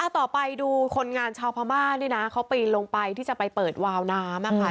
ต่อไปดูคนงานชาวพม่านี่นะเขาปีนลงไปที่จะไปเปิดวาวน้ำ